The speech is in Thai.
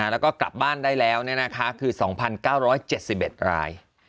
แล้วก็กลับบ้านได้แล้วคือ๒๙๗๑ราย